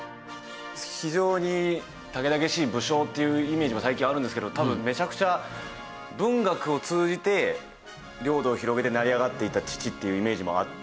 非常に猛々しい武将っていうイメージも最近あるんですけど多分めちゃくちゃ文学を通じて領土を広げて成り上がっていった父っていうイメージもあって。